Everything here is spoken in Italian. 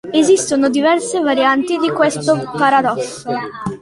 Esistono diverse varianti di questo paradosso.